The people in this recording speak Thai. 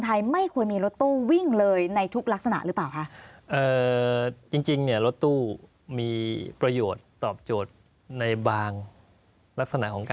ถ้ากำหนดระยะทางที่ไม่ไกลมากนัก